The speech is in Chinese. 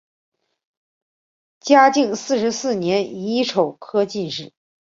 嘉靖四十四年乙丑科进士。